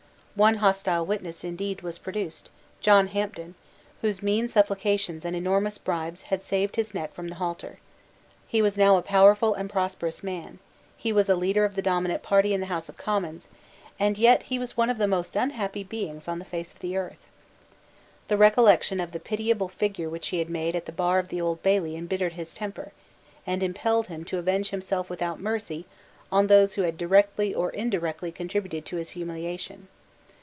One hostile witness indeed was produced, John Hampden, whose mean supplications and enormous bribes had saved his neck from the halter. He was now a powerful and prosperous man: he was a leader of the dominant party in the House of Commons; and yet he was one of the most unhappy beings on the face of the earth. The recollection of the pitiable figure which he had made at the bar of the Old Bailey embittered his temper, and impelled him to avenge himself without mercy on those who had directly or indirectly contributed to his humiliation.